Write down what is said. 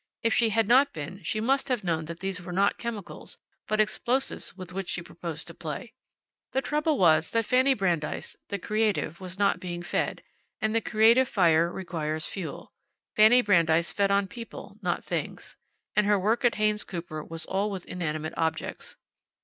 If she had not been, she must have known that these were not chemicals, but explosives with which she proposed to play. The trouble was that Fanny Brandeis, the creative, was not being fed. And the creative fire requires fuel. Fanny Brandeis fed on people, not things. And her work at Haynes Cooper was all with inanimate objects.